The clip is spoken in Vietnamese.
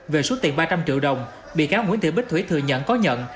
về số tiền ba trăm linh triệu đồng bị cáo nguyễn thị bích thủy thừa nhận có nhận